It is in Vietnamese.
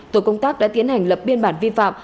tổ công tác đã tiến hành lập biên bản vi phạm